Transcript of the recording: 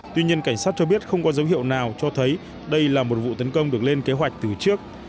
tuy nhiên cảnh sát cho biết không có dấu hiệu nào cho thấy đây là một vụ tấn công được lên kế hoạch từ trước